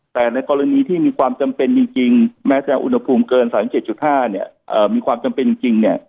แต่ในกรณีที่มีความจำเป็นจริงแม้จะอุณหภูมิเกิน๓๗๕เนี่ยมีความจำเป็นจริงเนี่ย